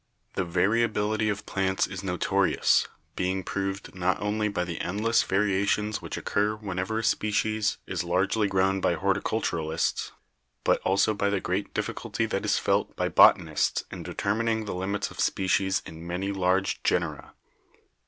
The variability of plants is notorious, being proved not only by the endless variations which occur whenever a species is largely grown by horticulturists, but also by the great difficulty that is felt by botanists in deter mining the limits of species in many large genera.